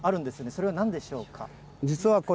それはなんでしょうか？